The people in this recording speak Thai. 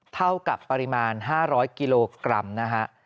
เท่ากับปริมาณ๕๐๐กิโลกรัมนะฮะ